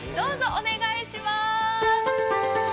お願いします。